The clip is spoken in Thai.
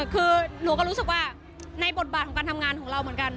คือหนูก็รู้สึกว่าในบทบาทของการทำงานของเราเหมือนกัน